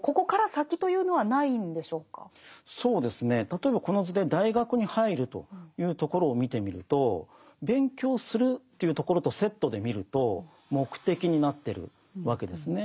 例えばこの図で大学に入るというところを見てみると勉強するというところとセットで見ると目的になってるわけですね。